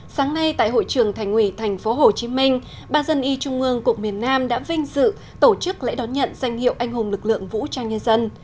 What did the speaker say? sáng nay tại hội trường thành ủy tp hcm ba dân y trung ương cục miền nam đã vinh dự tổ chức lễ đón nhận danh hiệu anh hùng lực lượng vũ trang nhân dân